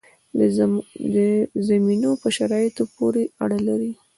د زمینو په شرایطو پورې اړه لري.